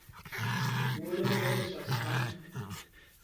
Ɓuá o ɗɛ́l ɓɛ tí ɛsüas khwánd.